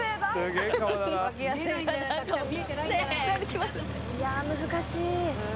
いやー、難しい。